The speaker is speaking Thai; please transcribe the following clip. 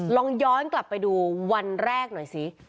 ลองย้อนกลับไปดูวันแรกหน่อยสิ